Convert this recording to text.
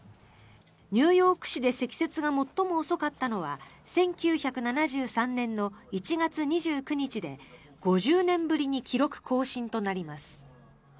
ニューヨーク市で積雪が最も遅かったのは１９７３年の１月２９日で５０年ぶりに記録更新となります。